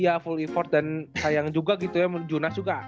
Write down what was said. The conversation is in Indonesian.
iya full effort dan sayang juga gitu ya jurnas juga